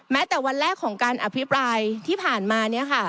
แต่วันแรกของการอภิปรายที่ผ่านมาเนี่ยค่ะ